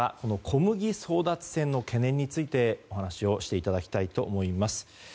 小麦争奪戦の懸念についてお話をしていただきたいと思います。